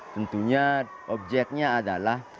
tentunya objeknya adalah